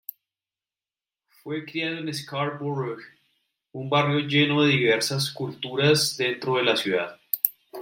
Fue criado en Scarborough, un barrio lleno de diversas culturas dentro de la ciudad.